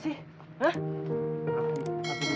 di rumah anak kamu